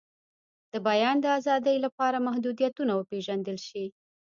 د بیان د آزادۍ لپاره محدودیتونه وپیژندل شي.